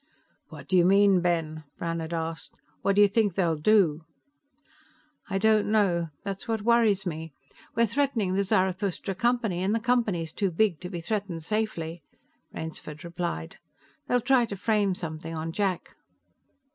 "What do you mean, Ben?" Brannhard asked. "What do you think they'll do?" "I don't know. That's what worries me. We're threatening the Zarathustra Company, and the Company's too big to be threatened safely," Rainsford replied. "They'll try to frame something on Jack."